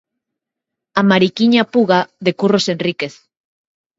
A Mariquiña Puga, de Curros Enríquez.